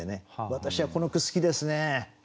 私はこの句好きですね。